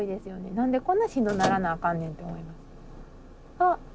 何でこんなしんどならなあかんねんって思います。